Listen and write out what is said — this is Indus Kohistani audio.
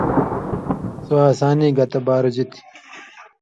سو ہسانی گتہ بارُژیۡ تھی۔